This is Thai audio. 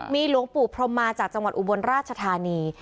มีหลวงปู่พรมมาจากจังหวัดอุบลราชธานี